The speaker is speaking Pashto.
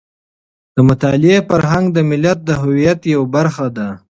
د مطالعې فرهنګ د ملت د هویت یوه برخه ده.